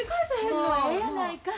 もうええやないか。